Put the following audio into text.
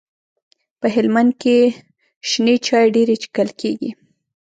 په هلمند کي شنې چاي ډيري چیښل کیږي.